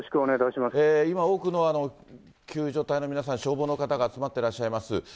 今、多くの救助隊の皆さん、消防の方が集まってらっしゃいます。